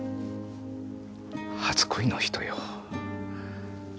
初恋の人よ。